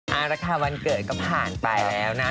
เอาละค่ะวันเกิดก็ผ่านไปแล้วนะ